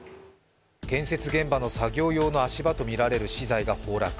建設現場の作業用の足場とみられる資材が崩落。